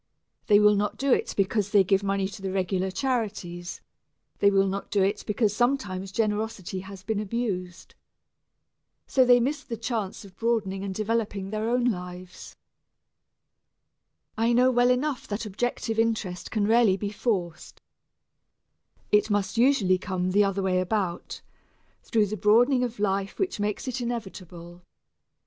They will not do it because they give money to the regular charities they will not do it because sometimes generosity has been abused. So they miss the chance of broadening and developing their own lives. I know well enough that objective interest can rarely be forced it must usually come the other way about through the broadening of life which makes it inevitable.